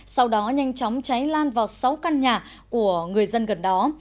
sau đó nhanh chóng cháy lan vào sáu căn nhà của người dân gần đó